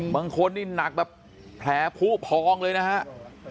บางคนนี่หนักแบบแผลพูพล้องเลยนะครับ